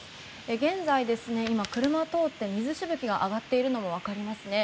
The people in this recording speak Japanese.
現在、車が通って水しぶきが上がっているのも分かりますね。